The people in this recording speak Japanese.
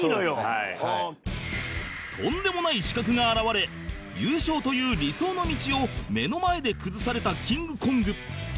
とんでもない刺客が現れ優勝という理想の道を目の前で崩されたキングコング